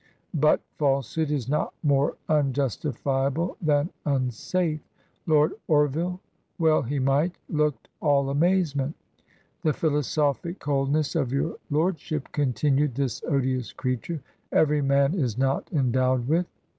But falsehood is not more unjustifiable than unsafe! Lord Orville — well he might — ^looked all amazement. 'The philosophic cold ness of your lordship,' continued this odious creature, 'every man is not endowed with.'